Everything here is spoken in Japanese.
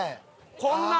こんなん。